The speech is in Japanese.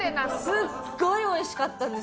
すっごい美味しかったんです